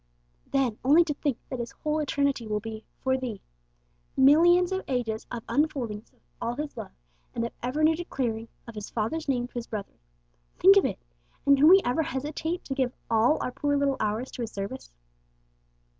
Then, only to think that His whole eternity will be 'for thee!' Millions of ages of unfoldings of all His love, and of ever new declarings of His Father's name to His brethren. Think of it! and can we ever hesitate to give all our poor little hours to His service?